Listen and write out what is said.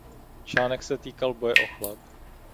Článek se týkal boje o chléb.